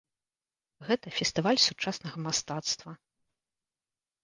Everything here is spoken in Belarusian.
Гэта фестываль сучаснага мастацтва.